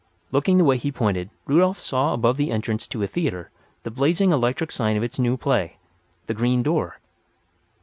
Looking the way he pointed Rudolf saw above the entrance to a theatre the blazing electric sign of its new play, "The Green Door."